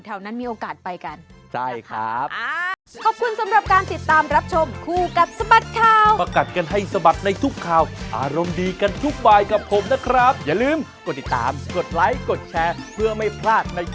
อ้างปลายอยู่แถวนั้นมีโอกาสไปกัน